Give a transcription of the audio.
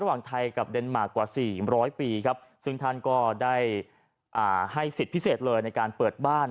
ระหว่างไทยกับเดนมาร์กว่า๔๐๐ปีครับซึ่งท่านก็ได้ให้สิทธิ์พิเศษเลยในการเปิดบ้าน